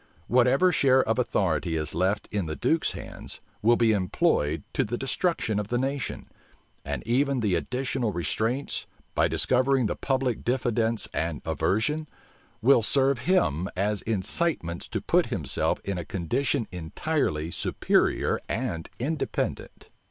Whatever share of authority is left in the duke's hands, will be employed to the destruction of the nation; and even the additional restraints, by discovering the public diffidence and aversion, will serve him as incitements to put himself in a condition entirely superior and independent.